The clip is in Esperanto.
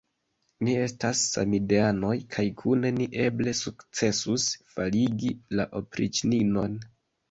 Ni estas samideanoj kaj kune ni eble sukcesus faligi la opriĉninon.